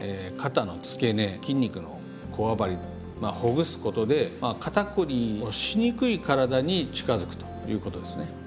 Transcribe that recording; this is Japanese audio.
肩の付け根筋肉のこわばりほぐすことで肩こりをしにくい体に近づくということですね。